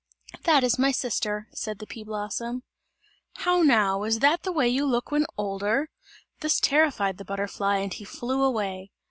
"That is my sister," said the pea blossom. "How now, is that the way you look when older?" This terrified the butterfly and he flew away.